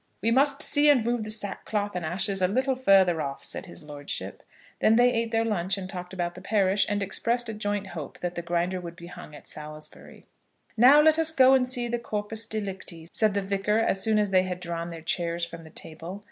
"We must see and move the sackcloth and ashes a little further off," said his lordship. Then they ate their lunch, and talked about the parish, and expressed a joint hope that the Grinder would be hung at Salisbury. "Now let us go and see the corpus delicti," said the Vicar as soon as they had drawn their chairs from the table.